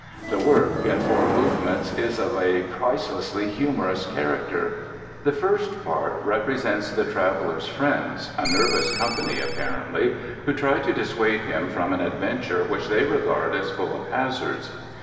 The work, in four movements, is of a pricelessly humorous character. The first part represents the traveler's friends, a nervous company apparently, who try to dissuade him from an adventure which they regard as full of hazards.